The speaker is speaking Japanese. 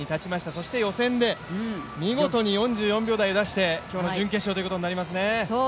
そして予選で見事に４４秒台を出して今日の準決勝ということになりますね。